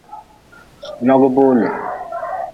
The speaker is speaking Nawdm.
Logi boole.